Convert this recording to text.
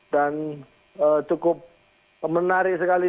dan cukup menarik sekali